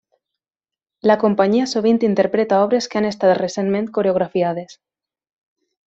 La companyia sovint interpreta obres que han estat recentment coreografiades.